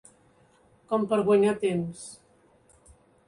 Com per guanyar temps.